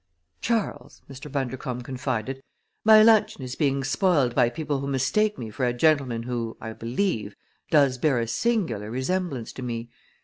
"Charles," Mr. Bundercombe confided, "my luncheon is being spoiled by people who mistake me for a gentleman who, I believe, does bear a singular resemblance to me.